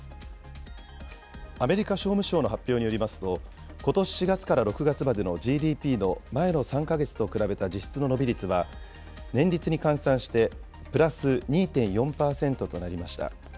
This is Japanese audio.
アメリカ商務省の発表によりますと、ことし４月から６月までのＧＤＰの前の３か月と比べた実質の伸び率は、年率に換算してプラス２．４％となりました。